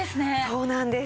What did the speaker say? そうなんです。